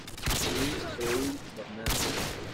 Le Breuil-Bernard